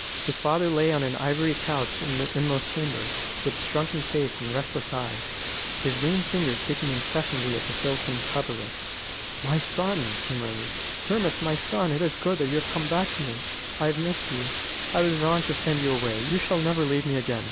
His father lay on an ivory couch in the inmost chamber, with shrunken face and restless eyes, his lean fingers picking incessantly at the silken coverlet. "My son!" he murmured; "Hermas, my son! It is good that you have come back to me. I have missed you. I was wrong to send you away. You shall never leave me again.